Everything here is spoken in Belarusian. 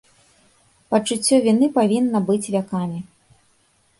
Пачуццё віны павінна быць вякамі.